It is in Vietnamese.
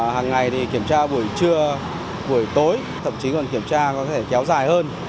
hàng ngày thì kiểm tra buổi trưa buổi tối thậm chí còn kiểm tra có thể kéo dài hơn